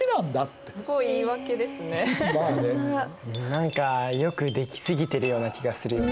何かよく出来過ぎてるような気がするよね。